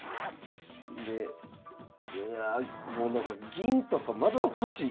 でうわもうなんか銀とかまどろっこしいねんな。